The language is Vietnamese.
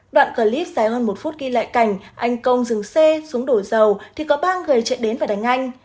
đoạn clip dài hơn một phút ghi lại cảnh anh công dừng xe xuống đổ dầu thì có ba người chạy đến và đánh anh